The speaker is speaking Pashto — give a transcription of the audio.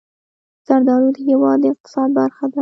زردالو د هېواد د اقتصاد برخه ده.